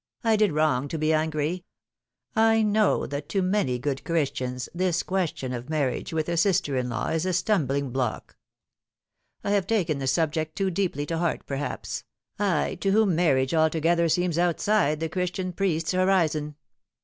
" I did wrong to be angry. I know that to many good Christians this question of marriage with a sister in law is a stumbling block. I have taken the subject too deeply to heart perhaps I, to whom marriage altogether seems outside the Christian priest's horizon.